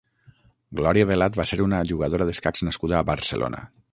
Glòria Velat va ser una jugadora d'escacs nascuda a Barcelona.